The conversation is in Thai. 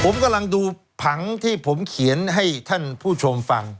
ผมกำลังดูผังที่ผมเขียนให้ท่านผู้ชมฟัง